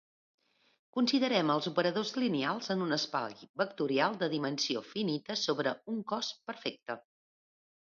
Considerem els operadors lineals en un espai vectorial de dimensió finita sobre un cos perfecte.